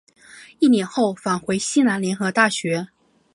一年后返回西南联合大学。